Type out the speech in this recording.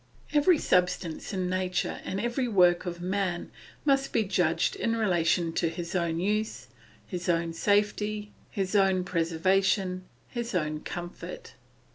Every substance in nature and every work of man must be judged in relation to his own use, his own safety, his own preservation, his own comfort.